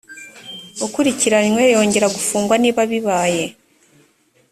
ukurikiranywe yongera gufungwa niba bibaye